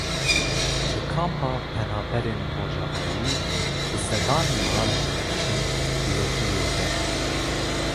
Li kampa penaberên Rojavayî bi sedan mal di bin lehiyê de.